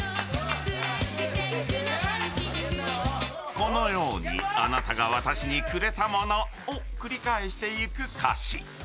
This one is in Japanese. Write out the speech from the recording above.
このように、あなたが私にくれた物を繰り返していく歌詞。